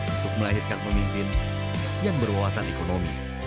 untuk melahirkan pemimpin yang berwawasan ekonomi